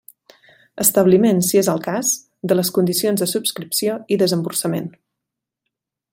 Establiment, si és el cas, de les condicions de subscripció i desemborsament.